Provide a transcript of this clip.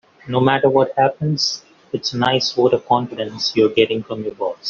No matter what happens, it's a nice vote of confidence you're getting from your boss.